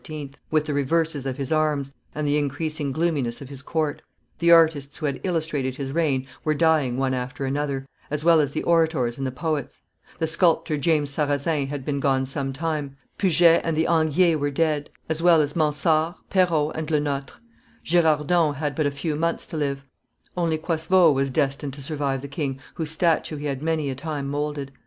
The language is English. with the reverses of his arms, and the increasing gloominess of his court; the artists who had illustrated his reign were dying one after another, as well as the orators and the poets; the sculptor James Sarazin had been gone some time; Puget and the Anguiers were dead, as well as Mansard, Perrault, and Le Notre; Girardon had but a few months to live; only Coysevox was destined to survive the king, whose statue he had many a time moulded.